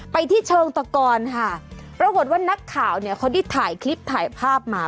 ไปที่เชิงตะกอนค่ะปรากฏว่านักข่าวเนี่ยเขาได้ถ่ายคลิปถ่ายภาพมา